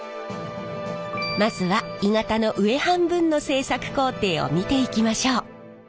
まずは鋳型の上半分の製作工程を見ていきましょう。